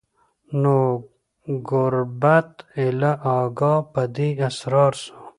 نو ګوربت ایله آګاه په دې اسرار سو